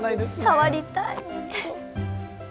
触りたい。